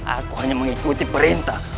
aku hanya mengikuti perintah